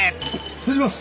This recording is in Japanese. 失礼します！